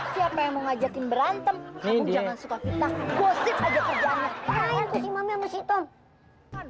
siapa yang mengajakin berantem ini jangan suka kita gosip aja kejangan